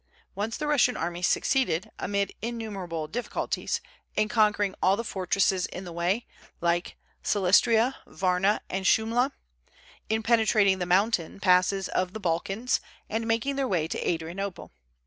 Once the Russian armies succeeded, amid innumerable difficulties, in conquering all the fortresses in the way, like Silistria, Varna, and Shumla; in penetrating the mountain passes of the Balkans, and making their way to Adrianople.